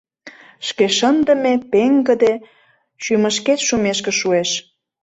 Шке шындыме, пеҥгыде, шӱмышкет шумешке шуэш».